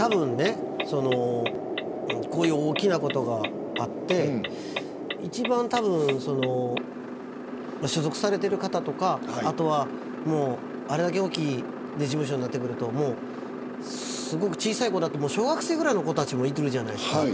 こういう大きなことがあって一番、所属されている方とかあれだけ大きい事務所になってくるとすごく小さい子だと小学生ぐらいの子もいるじゃないですか。